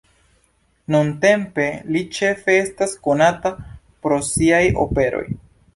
Nuntempe li ĉefe estas konata pro siaj operoj.